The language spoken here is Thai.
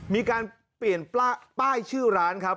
มีการเปลี่ยนป้ายชื่อร้านครับ